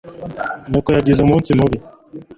Nyoko yagize umunsi mubi.